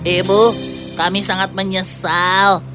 ibu kami sangat menyesal